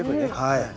はい。